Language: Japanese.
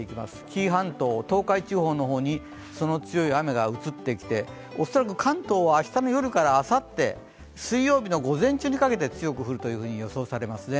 紀伊半島、東海地方にその強い雨が移ってきて恐らく関東は明日の夜からあさって水曜日の午前中にかけて強く降るというふうに予想されます。